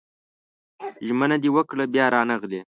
ژمنه دې وکړه بيا رانغلې